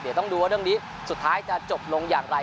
เดี๋ยวต้องดูว่าเรื่องนี้สุดท้ายจะจบลงอย่างไร